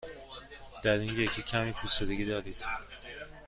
در این یکی کمی پوسیدگی دارید.